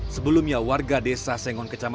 sebelumnya warga desa sengon kecamatan